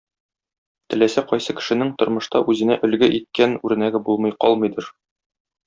Теләсә кайсы кешенең тормышта үзенә өлге иткән үрнәге булмый калмыйдыр.